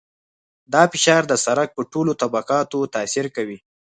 دا فشار د سرک په ټولو طبقاتو تاثیر کوي